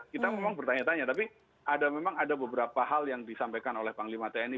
kita memang bertanya tanya tapi memang ada beberapa hal yang disampaikan oleh panglima tni